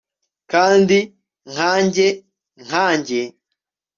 kandi nkanjye nkanjye